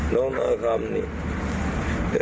โดงน้อยก็ไม่รู้